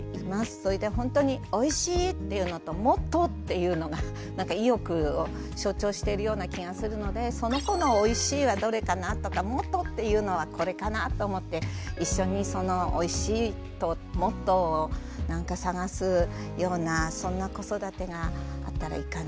それでほんとに「おいしい」っていうのと「もっと」っていうのがなんか意欲を象徴しているような気がするのでその子の「おいしい」はどれかなとか「もっと」っていうのはこれかなと思って一緒にその「おいしい」と「もっと」をなんか探すようなそんな子育てがあったらいいかな。